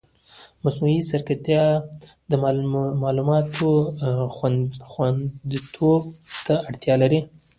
مصنوعي ځیرکتیا د معلوماتو خوندیتوب ته اړتیا لري.